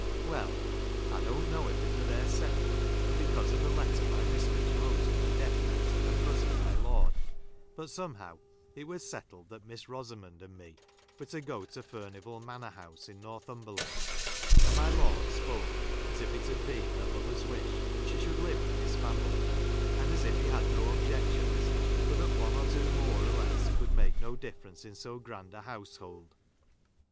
Well! ^ 1 I don't know if it were their settling, or be¬ cause of a letter ray mistress wrote on her ; death bed to her cousin, my lord ; but some ; 1 how it was settled that Miss Rosamond and ^ j me were to go to Furnivall Manor House, in i N orthumbenaud, and my lord spoke as if it had i j been her mother's wish that she should live j with his family, and as if he had no objections, I for that one or two more or less could make no difference in so grand a household.